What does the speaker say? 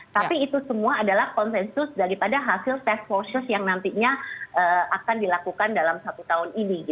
tapi itu semua adalah konsensus daripada hasil task forces yang nantinya akan dilakukan dalam satu tahun ini